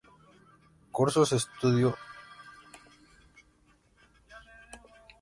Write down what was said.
Cursó estudios de medicina, pero descubrió su verdadera vocación en el periodismo.